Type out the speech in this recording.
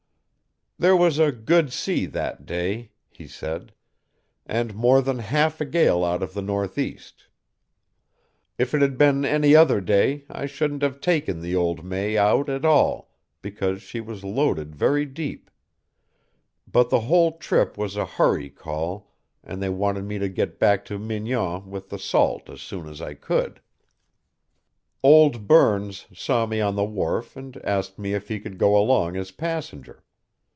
"There was a good sea that day," he said, "and more than half a gale out of the northeast. If it had been any other day I shouldn't have taken the old May out at all, because she was loaded very deep. But the whole trip was a hurry call and they wanted me to get back to Mignon with the salt as soon as I could. "Old Burns saw me on the wharf and asked if he could go along as passenger.